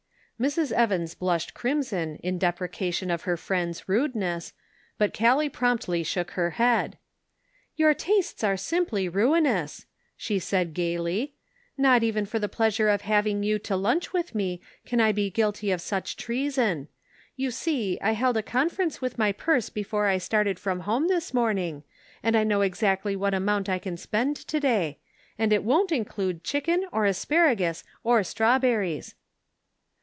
Mrs. Evans blushed crimson in deprecation of her friend's rudeness, but Callie promptly shook her head. " Your tastes are simply ruinous," she said gaily. "Not even for the pleasure of having 42 The Pocket Measure. you to lunch with me can I be guilty of such treason. You see I held a conference with my purse before I started from home this morning, and I know exactly what amount I can spend to day; and it won't include chicken or asparagus or strawberries."